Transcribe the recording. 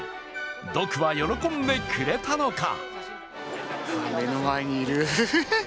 ドクは喜んでくれたのか。